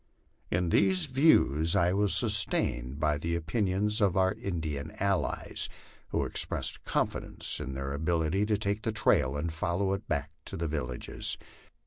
In these views I was sustained by the opinions of our Indian allies, who ex pressed confidence in their ability to take the trail and follow it back to the villages.